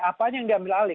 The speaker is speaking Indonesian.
apa yang diambil alih